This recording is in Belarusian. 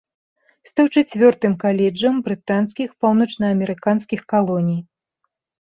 Стаў чацвёртым каледжам брытанскіх паўночнаамерыканскіх калоній.